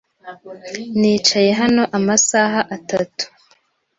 Nicaye hano amasaha atatu.